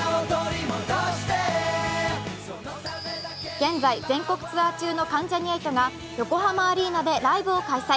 現在全国ツアー中の関ジャニ∞が横浜アリーナでライブを開催。